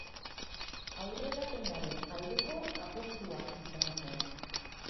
Aurrerapenaren aldeko apostua ian zen.